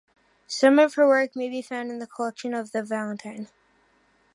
Some of her work may be found in the collection of The Valentine.